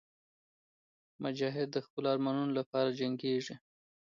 مجاهد د خپلو ارمانونو لپاره جنګېږي.